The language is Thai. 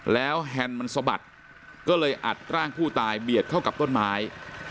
แล้วแฮนด์มันสะบัดก็เลยอัดร่างผู้ตายเบียดเข้ากับต้นไม้